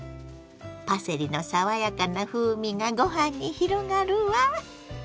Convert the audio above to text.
パセリの爽やかな風味がご飯に広がるわ。